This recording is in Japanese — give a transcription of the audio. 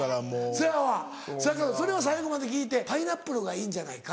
そやわそやけどそれを最後まで聞いて「パイナップルがいいんじゃないか？」。